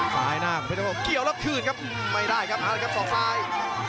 ซ้ายหน้าของเพชรพงศเกี่ยวแล้วคืนครับไม่ได้ครับเอาละครับศอกซ้าย